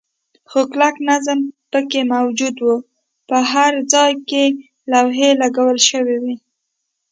خو کلک نظم پکې موجود و، په هر ځای کې لوحې لګول شوې وې.